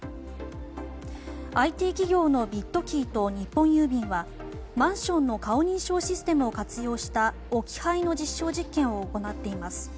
ＩＴ企業のビットキーと日本郵便はマンションの顔認証システムを活用した置き配の実証実験を行っています。